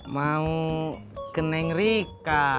mau ke neng rika